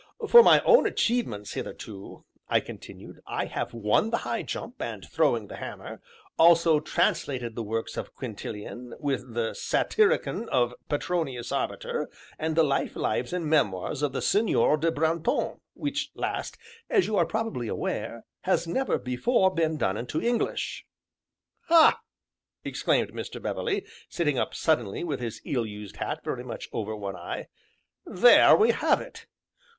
"For my own achievements, hitherto," I continued, "I have won the High Jump, and Throwing the Hammer, also translated the works of Quintilian, with the Satyricon of Petronius Arbiter, and the Life, Lives, and Memoirs of the Seigneur de Brantome, which last, as you are probably aware, has never before been done into the English." "Ha!" exclaimed Mr. Beverley, sitting up suddenly, with his ill used hat very much over one eye, "there we have it!